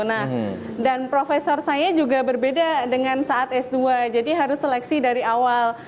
nah dan profesor saya juga berbeda dengan saat s dua jadi harus seleksi dari awal